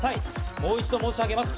もう一度申し上げます。